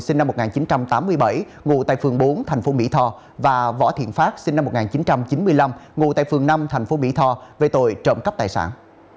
sinh năm một nghìn chín trăm tám mươi bảy ngụ tại phường bốn thành phố mỹ tho và võ thiện phát sinh năm một nghìn chín trăm chín mươi năm ngụ tại phường năm tp mỹ tho về tội trộm cắp tài sản